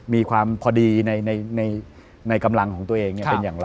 มีความพอดีในกำลังของตัวเอง